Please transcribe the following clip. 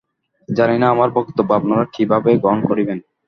জানি না, আমার বক্তব্য আপনারা কি ভাবে গ্রহণ করিবেন।